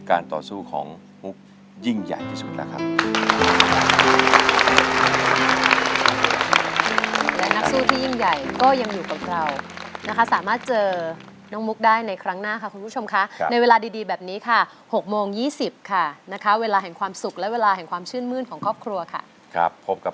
การต่อสู้ของมุกยิ่งใหญ่ที่สุดแล้วครับ